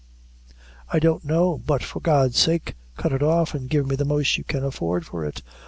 "I don't know; but for God's sake cut it off, and give me the most you can afford for it.